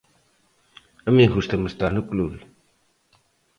A min gústame estar no club.